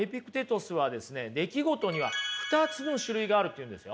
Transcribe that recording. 出来事には２つの種類があると言うんですよ。